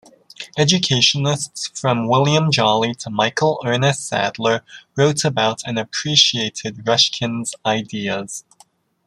Educationists from William Jolly to Michael Ernest Sadler wrote about and appreciated Ruskin's ideas.